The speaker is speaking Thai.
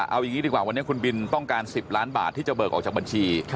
เอาอย่างนี้ดีกว่าวันนี้คุณบินต้องการ๑๐ล้านบาทที่จะเบิกออกจากบัญชี